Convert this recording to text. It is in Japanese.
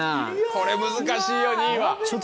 これ難しいよ２位は。